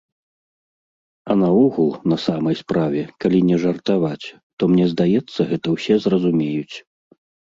А наогул, на самай справе, калі не жартаваць, то мне здаецца, гэта ўсе зразумеюць.